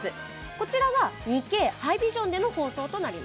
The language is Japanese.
こちらは２Ｋハイビジョンでの放送です。